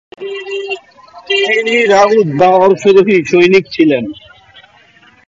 তিনি রাউত বা অশ্বারোহী সৈনিক ছিলেন।